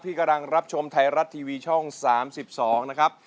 กำลังรับชมไทยรัฐทีวีช่อง๓๒นะครับ